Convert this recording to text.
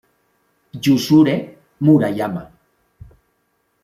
Yusuke Murayama